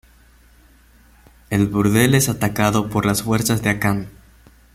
El burdel es atacado por las fuerzas de Akan.